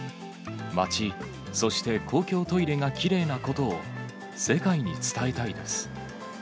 街、そして公共トイレがきれいなことを、世界に伝えたいです。